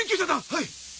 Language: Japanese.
はい！